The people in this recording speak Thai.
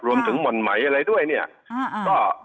รวมถึงหม่อนไหมอะไรด้วยนี่นะครับอ่า